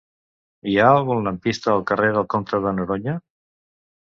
Hi ha algun lampista al carrer del Comte de Noroña?